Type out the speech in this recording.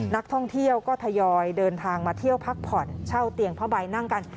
นักท่องเที่ยวก็ทยอยเดินทางมาเที่ยวพักผ่อนเช่าเตียงผ้าใบนั่งกัน